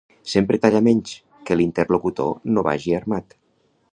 Sempre talla menys, que l'interlocutor no vagi armat.